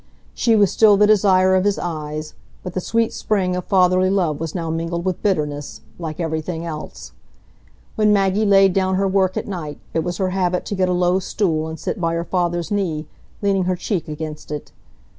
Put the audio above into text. She was still the desire of his eyes; but the sweet spring of fatherly love was now mingled with bitterness, like everything else. When Maggie laid down her work at night, it was her habit to get a low stool and sit by her father's knee, leaning her cheek against it.